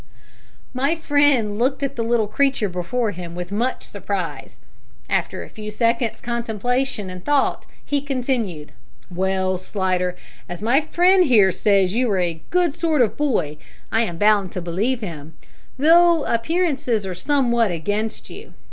My friend looked at the little creature before him with much surprise. After a few seconds' contemplation and thought, he continued "Well, Slidder, as my friend here says you are a good sort of boy, I am bound to believe him, though appearances are somewhat against you.